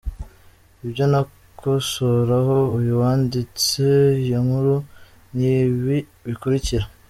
Ibyo nakosoraho uyu wanditse iyo nkuru ni ibi bikurikira: